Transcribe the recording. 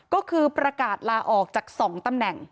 ก็คือประกาศลาออกจาก๒ตำแหน่ง